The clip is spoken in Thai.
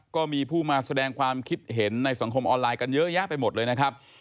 ก็มีผู้มาแสดงความคิดเห็นในสังคมออนไลน์กันเยอะแยะไปหมดเลยนะครับ